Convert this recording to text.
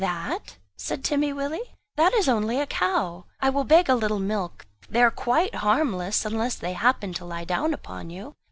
"That?" said Timmy Willie, "that is only a cow; I will beg a little milk, they are quite harmless, unless they happen to lie down upon you.